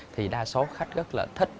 thì đa số khách rất là thích